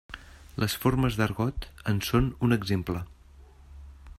Les formes d'argot en són un exemple.